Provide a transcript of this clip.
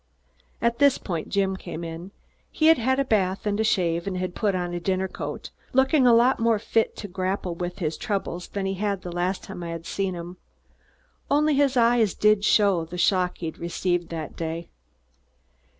At this point, Jim came in. He had had a bath and a shave and had put on a dinner coat, looking a lot more fit to grapple with his troubles than he had the last time I had seen him. Only in his eyes did he show the shock he'd received that day.